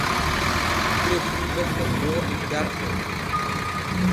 Gure fulɓe e wooɗi darɗe.